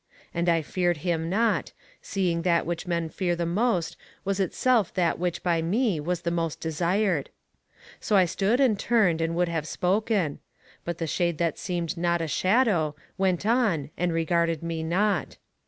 And I feared him not, seeing that which men fear the most was itself that which by me was the most desired. So I stood and turned and would have spoken. But the shade that seemed not a shadow, went on and regarded me not.